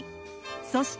そして